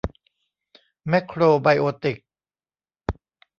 แมคโครไบโอติก